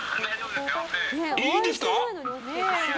いいんですか！